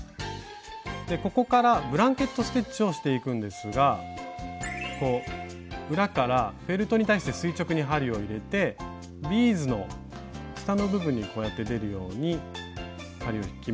ここからブランケット・ステッチをしていくんですが裏からフェルトに対して垂直に針を入れてビーズの下の部分にこうやって出るように針を引きます。